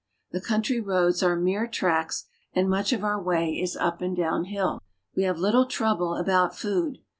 The country roads are mere tracks, and much of our way is up and down hill. We have little trouble about food.